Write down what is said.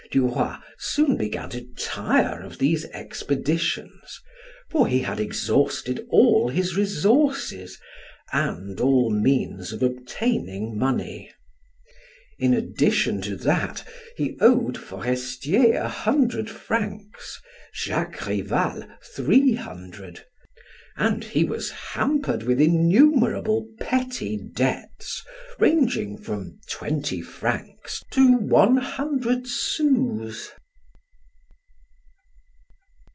Duroy soon began to tire of those expeditions, for he had exhausted all his resources and all means of obtaining money. In addition to that he owed Forestier a hundred francs, Jacques Rival three hundred, and he was hampered with innumerable petty debts ranging from twenty francs to one hundred sous.